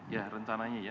ya rencananya ya